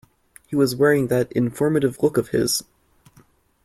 He was wearing that informative look of his.